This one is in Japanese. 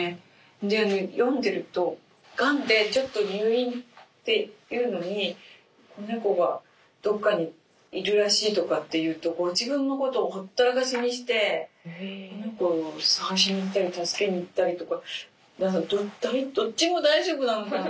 でね読んでるとがんでちょっと入院っていうのに子猫がどっかにいるらしいとかっていうところ自分のことをほったらかしにして子猫を探しに行ったり助けに行ったりとかどっちも大丈夫なのかな？